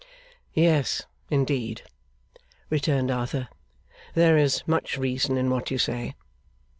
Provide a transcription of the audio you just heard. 'Yes, indeed,' returned Arthur, 'there is much reason in what you say.